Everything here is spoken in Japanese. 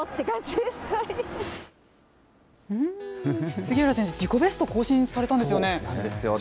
杉浦選手、自己ベスト更新されたんですよね。